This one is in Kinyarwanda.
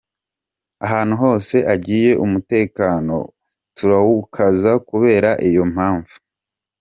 Ahantu hose agiye umutekano turawukaza kubera iyo mpamvu.